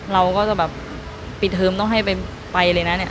เราก็จะแบบปิดเทอมต้องให้ไปเลยนะเนี่ย